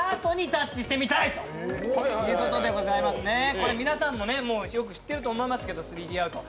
これ、皆さんもよく知ってると思いますけど、３Ｄアート。